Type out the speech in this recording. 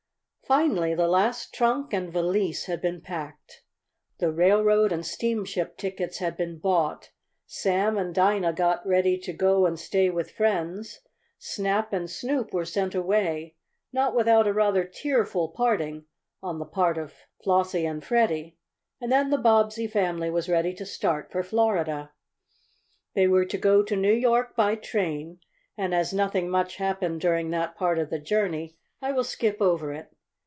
Finally the last trunk and valise had been packed. The railroad and steamship tickets had been bought, Sam and Dinah got ready to go and stay with friends, Snap and Snoop were sent away not without a rather tearful parting on the part of Flossie and Freddie and then the Bobbsey family was ready to start for Florida. They were to go to New York by train, and as nothing much happened during that part of the journey I will skip over it.